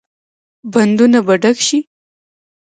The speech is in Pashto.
بندونه به ډک شي؟